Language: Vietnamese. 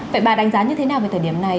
vậy bà đánh giá như thế nào về thời điểm này